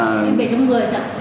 em về trong người chẳng